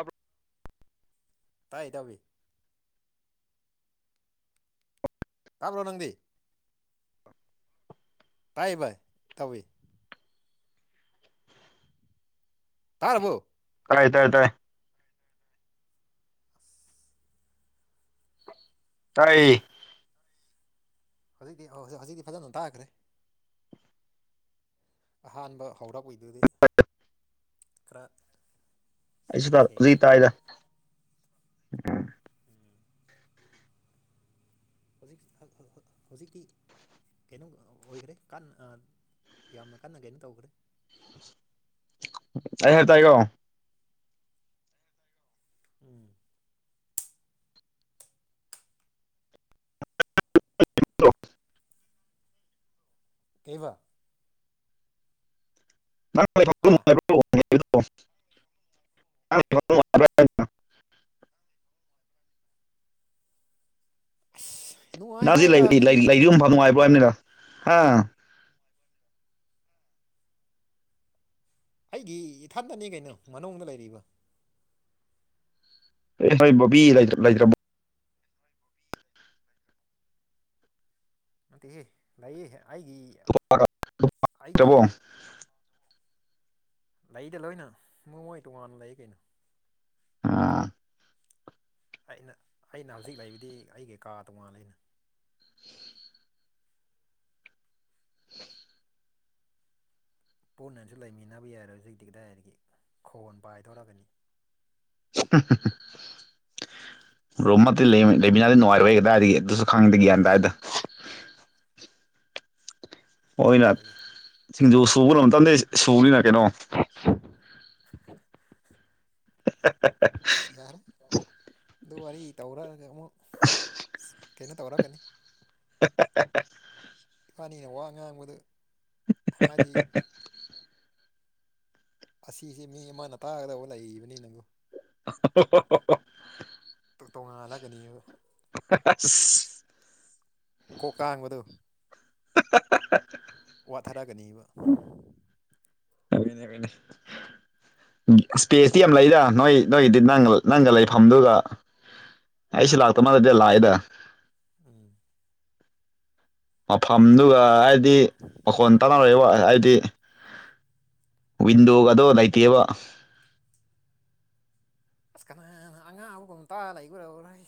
ꯑ ꯇꯥꯏ ꯇꯕꯤ ꯇꯥꯕ꯭ꯔꯣ ꯅꯪꯗꯤ ꯇꯥꯏ ꯚꯥꯏ ꯇꯧꯏ ꯇꯥꯔꯔꯕꯔꯕꯣ ꯇꯥꯏ ꯇꯥꯏ ꯇꯥꯏ [unintelligible] ꯇꯥꯏ ꯍꯧꯖꯤꯛꯇꯤ ꯑꯧ ꯍꯧꯖꯤ ꯍꯧꯛꯇꯤ ꯐꯖꯅ ꯇꯥꯛꯈ꯭ꯔꯦ ꯑꯍꯥꯟꯕ ꯍꯧꯔꯛꯏꯗꯨꯗꯤ ꯈꯔ ꯑꯩꯁꯨ ꯇ ꯎꯖꯤ ꯁꯦꯡꯗꯕ ꯇꯥꯏꯗ ꯎꯝ ꯍꯧꯖꯤꯛ ꯍꯧꯖꯤꯛꯇꯤ ꯀꯩꯅꯣ ꯑꯣꯏꯈ꯭ꯔꯦ ꯀ ꯌꯥꯝꯅ ꯀꯟꯅ ꯀꯩꯅꯣ ꯇꯧꯈ꯭ꯔꯦ ꯑꯩ ꯍꯥꯏꯦ ꯇꯥꯏꯒꯣ ꯎꯝ [inaudible] ꯀꯩꯕ ꯍꯥ ꯉ ꯑꯁ ꯅꯨꯡꯉꯥꯏ ꯖꯤ ꯍꯥꯏꯕ ꯇꯥꯕꯅꯤꯅꯦ ꯂꯩꯨꯝ ꯐ ꯅꯨꯡꯉꯥꯏꯕ ꯍꯥꯏꯅꯤꯔ ꯍꯥ ꯑꯩꯒꯤ ꯏꯊꯟꯗꯅꯤ ꯀꯩꯅꯣ ꯃꯅꯨꯡꯗ ꯂꯩꯔꯤꯕ ꯑꯦ ꯍꯣꯏ ꯕꯕꯤꯤ ꯂ ꯂꯥꯏꯗ꯭ꯔ ꯅꯠꯇꯦꯍꯦ ꯂꯌꯦ ꯑꯩꯒꯤ ꯑꯩꯒꯤ ꯇ꯭ꯔꯕꯣ ꯂꯩꯗ ꯂꯣꯏꯅ ꯃꯃꯣꯏ ꯇꯣꯉꯥꯟꯅ ꯂꯩ ꯀꯩꯅꯣ ꯑꯥ ꯑꯩꯅ ꯑꯩꯅ ꯍꯧꯖꯤꯛ ꯂꯩꯕꯗꯤ ꯑꯩ ꯀꯩꯀꯥ ꯇꯣꯉꯥꯟ ꯂꯩꯅ ꯄꯨꯟꯅꯁꯨ ꯂꯩꯃꯤꯟꯅꯕ ꯌꯥꯔꯣꯏ ꯍꯧꯖꯤꯛꯇꯤ ꯀꯗꯥꯏꯗꯒꯤ ꯈꯣꯟ ꯄꯥꯏꯊꯣꯔꯛꯀꯅꯤ [unintelligible] ꯔꯣꯝꯃ ꯂꯩꯃꯤꯅꯥꯗꯤ ꯅꯨꯡꯉꯥꯏꯔꯩ ꯀꯗꯥꯏ ꯑꯗꯨꯁꯨ ꯈꯪꯗꯦ ꯒ꯭ꯌꯥꯟ ꯑꯗꯨꯗꯥꯏꯗ ꯍ ꯑꯣꯏꯅ ꯑꯩꯁꯦ ꯁꯤꯡꯖꯨ ꯁꯨꯕ ꯃꯇꯝꯗꯩ ꯁꯨꯕꯅꯤꯅ ꯀꯩꯅꯣ [unintelligible] ꯑꯁ ꯌꯥꯔꯦ ꯑꯗꯨ ꯋꯥꯔꯤ ꯇꯧꯔꯛꯑꯒ ꯑꯃꯨꯛ ꯀꯩꯅꯣ ꯇꯧꯔꯛꯀꯅꯤ [inaudible] ꯏꯄꯥꯅꯤꯅ ꯋꯥ ꯉꯥꯡꯕꯗ ꯎ ꯑꯁꯤꯁ ꯃꯤ ꯑꯃꯅ ꯇꯥꯒꯗꯧꯕ ꯂꯩꯕꯅꯤ ꯅꯪꯕꯨ ꯑꯣ ꯇꯣꯉꯥꯜꯂꯒꯅꯤꯕ ꯑ ꯀꯣꯀꯥ ꯑꯥꯡꯕꯗꯨꯣ ꯋꯥꯊꯔꯛꯒꯅꯦꯕ ꯏꯅꯦ ꯀꯅꯦ ꯏꯁꯄꯦꯁꯇꯤ ꯌꯥꯝ ꯂꯩꯗ ꯅꯣꯏ ꯅꯣꯏꯒꯤꯗꯤ ꯅ ꯅꯪꯒ ꯂꯩꯐꯝꯗꯨꯒ ꯑꯩꯁꯨ ꯂꯥꯛꯇ ꯃꯥꯟꯅꯗꯤ ꯂꯥꯛꯑꯦꯗ ꯎꯝ ꯃꯐꯝꯗꯨꯒ ꯍꯥꯏꯗꯤ ꯃꯈꯣꯟ ꯇꯥꯅꯔꯛꯏꯕ ꯍꯥꯏꯗꯤ ꯋꯤꯟꯗꯣꯒ ꯑꯗꯣ ꯂꯩꯇꯦꯕ ꯑꯁ ꯀꯅꯥꯅ ꯑꯉꯥꯡꯕꯒꯨꯝꯝꯇ ꯂꯩꯈꯔ꯭ꯔ ꯑꯩ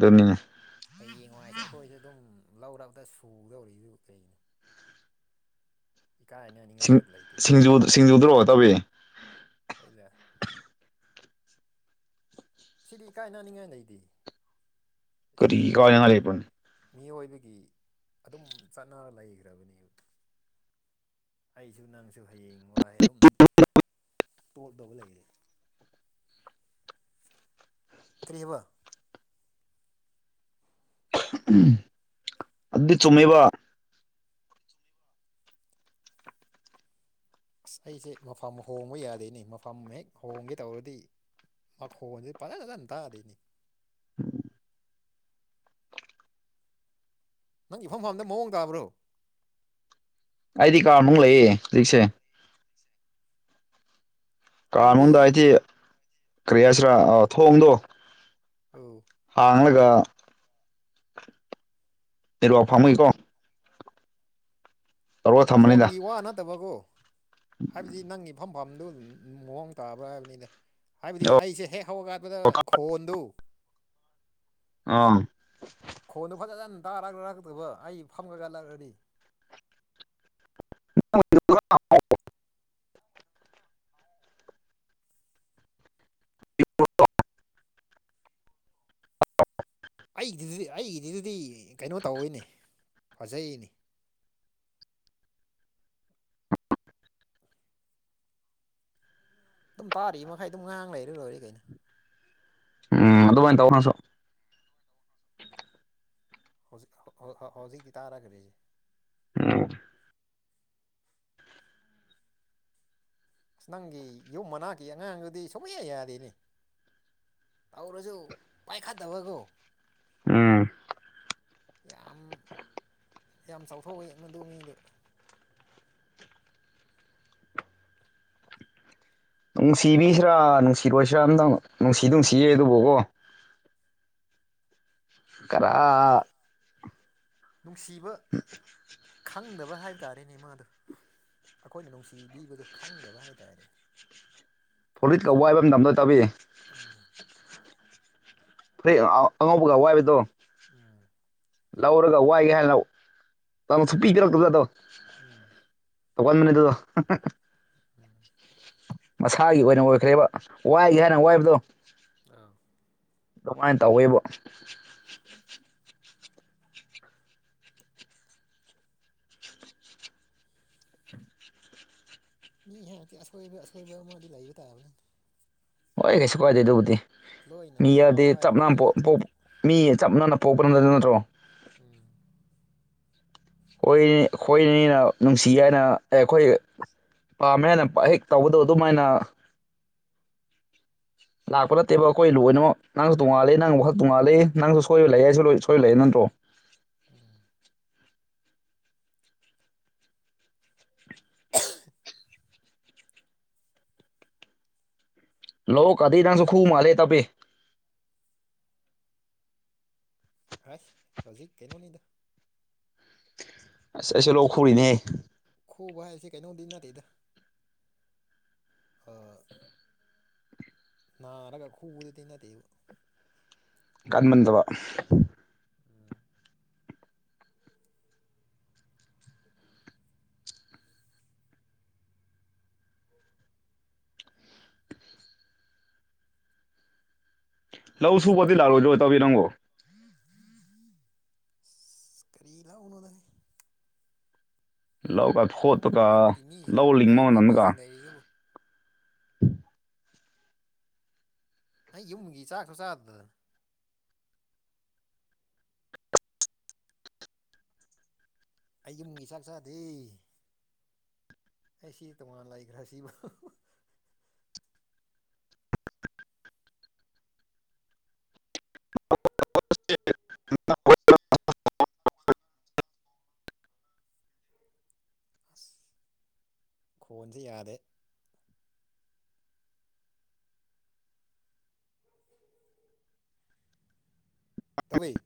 ꯗꯣꯅꯤꯅꯤ ꯍꯌꯦꯡꯏꯁꯨ ꯑꯩꯈꯣꯏꯁꯨ ꯑꯗꯨꯝ ꯂꯧꯔꯕꯗ ꯁꯨꯒꯗꯧꯔꯤꯗꯨ ꯀꯩꯒꯤꯅꯣ ꯏꯀꯥꯏꯅꯅꯤꯡꯉꯥꯏꯁꯨ ꯑꯗꯨꯝ ꯂꯩꯇꯦ ꯀꯩꯅꯣ ꯁꯤꯡꯖꯨꯗ꯭ꯔꯣꯑꯣ ꯇꯕꯤ ꯐꯗ ꯁꯤꯗꯤ ꯏꯀꯥꯏꯅꯅꯤꯡꯉꯥꯏ ꯂꯩꯗꯤ ꯀꯔꯤ ꯁꯤꯗꯤ ꯃꯤꯑꯣꯏ ꯀꯥꯏꯅꯉꯥꯏ ꯂꯩꯕ꯭ꯔꯣꯅꯦ ꯃꯤꯑꯣꯏꯕꯒꯤ ꯑꯗꯨꯝ ꯆꯠꯅꯔ ꯂꯩꯈ꯭ꯔꯕꯅꯦ ꯑꯩꯁꯨ ꯅꯪꯁꯨ ꯍꯌꯦꯡ ꯋꯥꯏ ꯑꯗꯨꯝ ꯇꯣꯞꯇꯧꯕ ꯂꯩꯔꯦ ꯀ꯭ꯔꯤꯔꯤꯕ ꯑꯗꯨꯗꯤ ꯆꯨꯝꯃꯦꯕ ꯑꯁ ꯑꯩꯁꯦ ꯃꯐꯝ ꯍꯣꯡꯕ ꯌꯥꯗꯦꯅꯤ ꯃꯐꯝ ꯍꯦꯛ ꯍꯣꯡꯒꯦ ꯇꯧꯔꯗꯤ ꯃꯈꯣꯟꯁꯤ ꯐꯖꯅ ꯐꯖꯅ ꯇꯥꯗꯣꯏꯅꯤ ꯎꯝ ꯅꯪ ꯏꯐꯝ ꯃꯐꯝꯗ ꯃꯑꯣꯡ ꯇꯥꯕ꯭ꯔꯣ ꯑꯩꯗꯤ ꯀꯥ ꯅꯨꯡ ꯂꯩꯌꯦ ꯍꯧꯖꯤꯛꯁꯦ ꯦ ꯀꯥꯅꯨꯡꯗ ꯍꯥꯏꯗꯤ ꯀꯔꯤ ꯍꯥꯏꯁꯤꯔꯥ ꯊꯣꯡꯗꯣ ꯑꯧ ꯍꯥꯡꯒ ꯑꯗꯨ ꯑꯁꯝꯨꯀꯣ ꯇꯧꯔꯒ ꯊꯝꯕꯅꯤꯗ ꯃꯈꯣꯟꯒꯤ ꯋꯥ ꯅꯠꯇꯕꯒꯣ ꯍꯥꯏꯕꯗꯤ ꯅꯪꯉꯕ ꯃꯐꯝ ꯐꯐꯝꯗꯨ ꯃꯑꯣꯡ ꯇꯥꯕ꯭ꯔꯥ ꯍꯥꯏꯕꯅꯤꯅ ꯍꯥꯏꯕꯗꯤ ꯑꯣ ꯑꯩꯁꯦ ꯍꯦꯛ ꯍꯧꯔꯀꯠꯄꯗ ꯈꯣꯏ ꯍꯗꯨ ꯑ ꯈꯣꯟꯗꯨꯣ ꯐꯖꯅ ꯇꯥꯛꯇꯕ ꯑꯩ ꯐꯝꯒꯂꯛꯑꯗꯤ [inaudible] [unintelligible] ꯑꯩꯒꯤꯗꯨꯗꯤ ꯑꯩꯒꯤꯗꯤꯗꯨꯗꯤ ꯀꯩꯅꯣ ꯇꯧꯋꯤꯅꯦ ꯐꯖꯩꯅꯦ ꯑꯗꯨꯝ ꯇꯥꯔꯤ ꯃꯈꯩ ꯑꯗꯨꯝ ꯉꯥꯡ ꯂꯩꯔ ꯂꯣꯏꯔ ꯀꯩꯅꯣ ꯎꯝ ꯑꯗꯨꯃꯥꯏꯅ ꯇꯧꯅꯁꯨ ꯍꯧꯖꯤꯛ ꯍꯧꯖꯤꯛꯇꯤ ꯇꯥꯔꯈꯔꯤꯁꯦ ꯎꯝ ꯑꯁ ꯅꯪꯒꯤ ꯌꯨꯝ ꯃꯅꯥꯛꯀꯤ ꯑꯉꯥꯡꯗꯨꯗꯤ ꯁꯨꯡꯌꯥ ꯌꯥꯔꯤꯅꯤ ꯇꯧꯔꯁꯨ ꯄꯥꯏꯈꯠꯇꯕꯀꯣ ꯎꯝ ꯌꯥꯝ ꯌꯥꯝ ꯆꯥꯎꯊꯣꯛ ꯑꯦ ꯃꯗꯨ ꯃꯤꯗꯨ ꯅꯨꯡꯁꯤꯕꯤꯁꯤꯔꯥ ꯅꯨꯡꯁꯤꯔꯣꯏꯁꯤꯔꯥ ꯑꯝꯇꯪ ꯅꯨꯡꯁꯤ ꯅꯨꯡꯁꯤꯌꯦ ꯑꯗꯨꯕꯨꯀꯣ ꯀꯔ ꯅꯨꯡꯁꯤꯕ ꯑ ꯈꯪꯗꯕ ꯍꯥꯏꯕ ꯇꯥꯔꯦꯅꯦ ꯃꯥꯗꯨ ꯑꯩꯈꯣꯏꯅ ꯅꯨꯡꯁꯤꯕꯤꯕꯗꯨ ꯈꯪꯗꯕ ꯍꯥꯏꯇꯥꯔꯦ ꯐꯨꯔꯤꯠ ꯀꯧꯕ ꯍꯥꯏꯕ ꯃꯇꯝꯗ ꯇꯕꯤꯏ ꯑꯥ ꯐꯔꯤ ꯑꯉꯧꯕꯒ ꯋꯥꯏꯕꯗꯣ ꯎꯝ ꯂꯧꯔꯒ ꯋꯥꯏꯒꯦ ꯍꯥꯏꯔꯣ ꯇꯧ ꯁꯨꯞꯄꯤ ꯄꯤꯔꯛꯇꯕ ꯑꯗꯣ ꯎꯝ ꯑꯣ ꯀꯣꯏꯣꯟ ꯃꯅꯗꯗꯣ ꯎꯝ ꯃꯁꯥꯒꯤ ꯑꯣꯏꯅ ꯑꯣꯏꯈ꯭ꯔꯦꯕ ꯋꯥꯏꯒꯦ ꯍꯥꯏꯅ ꯎꯝ ꯋꯥꯏꯕꯗꯣ ꯑꯥ ꯀꯃꯥꯏꯅ ꯇꯧꯋꯦꯕ ꯃꯤ ꯍꯥꯏꯗꯤ ꯑꯁꯣꯏꯕ ꯑꯁꯣꯏꯕ ꯑꯃꯗꯤ ꯂꯩꯕ ꯇꯥꯕꯅꯤ ꯍꯣꯏ ꯀꯩꯁꯨ ꯀꯥꯏꯗꯦ ꯑꯗꯨꯕꯨꯗꯤ ꯂꯣꯏꯅ ꯃꯤ ꯌꯥꯗꯦ ꯐꯥꯎ ꯆꯞ ꯍꯥꯏꯕꯗꯤ ꯌꯥꯗ꯭ꯔꯦ ꯃꯤ ꯆꯞꯅꯅ ꯄꯣꯛꯄ꯭ꯔ ꯅꯠꯇ ꯅꯠꯇ꯭ꯔꯣ ꯎꯝ ꯣꯏ ꯈꯣꯏꯅꯤꯅ ꯅꯨꯡꯁꯤ ꯍꯥꯏꯅ ꯑꯩꯈꯣꯏ ꯄꯥꯝꯃꯦꯅ ꯍꯦꯛ ꯇꯧꯕꯗꯣ ꯑꯗꯨꯃꯥꯏꯅ ꯂꯥꯛꯄ ꯅꯠꯇꯦꯕ ꯑꯩꯈꯣꯏ ꯂꯣꯏꯅꯃꯛ ꯅꯪꯁꯨ ꯇꯣꯡꯉꯥꯂ ꯅꯪꯕꯨ ꯋꯥꯈꯛ ꯇꯣꯡꯉꯥꯂ ꯅꯪꯁꯨ ꯁꯣꯏꯕ ꯎꯝ ꯂꯥꯏꯛꯥꯏꯁꯨ ꯂꯣꯏ ꯍꯣꯏ ꯂꯩꯌꯦ ꯅ꯭ꯔꯣ ꯎꯝ ꯂꯣ ꯀꯗꯤ ꯅꯁꯨ ꯈꯨ ꯃꯥꯂꯦ ꯇ ꯄꯦ ꯍꯥꯏꯁ ꯍꯧꯖꯤꯛ ꯀꯩꯅꯣꯅꯤꯗ ꯑꯁ ꯑꯩꯁꯨ ꯂꯣꯛ ꯈꯨꯔꯤꯅꯦꯍꯦ ꯈꯨꯕ ꯍꯥꯏꯁꯦ ꯀꯩꯅꯣꯝꯗꯤ ꯅꯠꯇꯦꯗ ꯑꯥ ꯅꯥꯔꯒ ꯈꯨꯕꯗꯨꯗꯤ ꯅꯠꯇꯦꯕ ꯀꯥꯟꯃꯟꯗꯕ ꯎꯝ ꯂꯧ ꯁꯨꯕꯗꯤ ꯂꯥꯛꯑꯣꯣꯏ ꯂꯣꯏ ꯇꯧꯕꯤꯔꯪꯣ ꯏꯁ ꯀꯔꯤ ꯂꯧꯅꯣꯗꯅꯍꯦ ꯂꯧꯒ ꯌꯨꯝ ꯐꯣꯠꯇꯨꯒ ꯂꯧ ꯂꯤꯡꯕ ꯃ ꯅꯒ ꯂꯩꯗꯕꯨ ꯑꯩ ꯌꯨꯝꯒꯤ ꯍꯨꯏ ꯆꯥꯛꯁꯨ ꯆꯥꯗꯅ ꯑꯩꯒꯤ ꯃꯤꯆꯥꯛ ꯆꯥꯗꯦ ꯑꯩꯁꯤ ꯇꯣꯉꯥꯟ ꯂꯩꯈ꯭ꯔꯥ ꯁꯤꯕꯣ [unintelligible] ꯑꯁ ꯈꯣꯟꯁꯦ ꯌꯥꯗꯦ ꯇꯧꯑꯦ